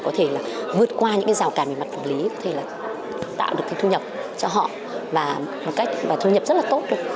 có thể là vượt qua những cái rào cản về mặt phòng lý có thể là tạo được cái thu nhập cho họ và thu nhập rất là tốt